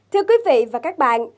thưa quý vị và các bạn